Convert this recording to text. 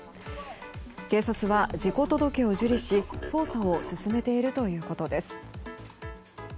警察は事故届を受理し、捜査を進めているということです。